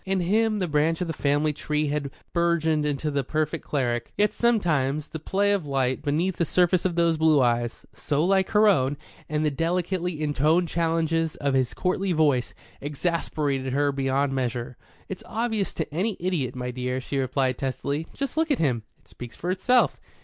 In him the branch of the family tree had burgeoned into the perfect cleric. Yet sometimes, the play of light beneath the surface of those blue eyes, so like her own, and the delicately intoned challenges of his courtly voice, exasperated her beyond measure. "It's obvious to any idiot, my dear," she replied testily. "Just look at him. It speaks for itself."